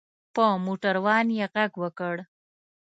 په موټر وان یې غږ وکړ.